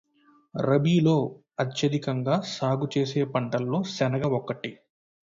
రబీలో అత్యధికంగా సాగు చేసే పంటల్లో శనగ ఒక్కటి.